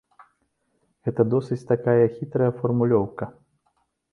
Гэта досыць такая хітрая фармулёўка.